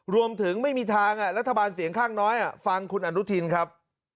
รวมถึงไม่มีทางรัฐบาลเสียงข้างน้อยฟังคุณอนุทินครับ